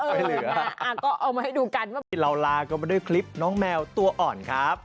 ไม่เหลือนะเอาก็เอามาให้ดูกันเราลากันมาด้วยคลิปน้องแมวตัวอ่อนครับ